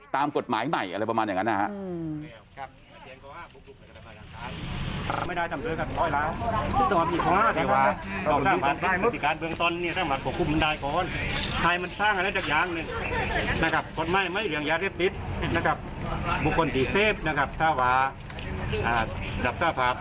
ตามกฎหมายใหม่อะไรประมาณอย่างนั้นนะครับ